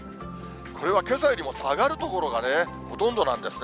これはけさよりも下がる所がね、ほとんどなんですね。